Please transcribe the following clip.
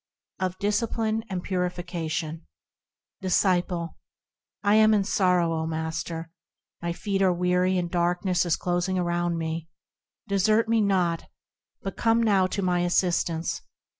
3. Of Discipline and Purification Disciple. I am in sorrow, O Master! My feet are weary, and darkness is closing around me ; Desert me not, but come now to my assistance